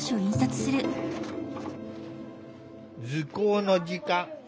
図工の時間。